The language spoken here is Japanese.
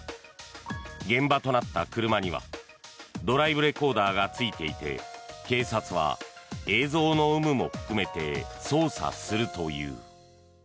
現場となった車にはドライブレコーダーがついていて警察は映像の有無も含めて捜査するという。